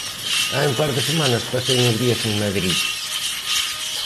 Hai un par de semanas pasei uns días en Madrid.